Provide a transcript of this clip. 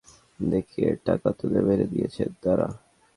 তাঁর জমির ওপর দিয়ে কথিত রাস্তা দেখিয়ে টাকা তুলে মেরে দিয়েছেন তাঁরা।